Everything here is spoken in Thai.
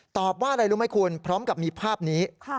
ตอบว่าอะไรรู้ไหมคุณพร้อมกับมีภาพนี้